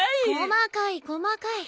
細かい細かい。